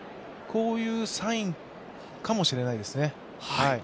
こういうサインかもしれないですね。